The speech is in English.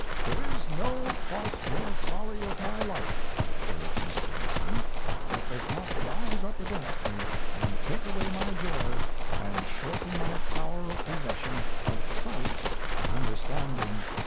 " There is no fault nor folly of my life," says Mr. Ruskin, " that does not rise up against me, and take away my joy, and shorten my power of pos session, of sight, of understanding.